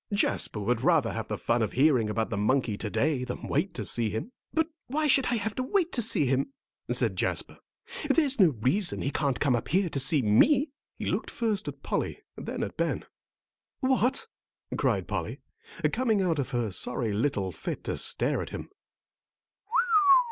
"Jasper would rather have the fun of hearing about the monkey to day than to wait to see him." "But why should I wait before I see him?" said Jasper. "There's no reason he can't come up here to see me." He looked first at Polly, then at Ben. "What?" cried Polly, coming out of her sorry little fit to stare at him.